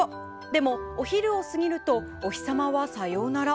でも、お昼を過ぎるとお日様はさようなら。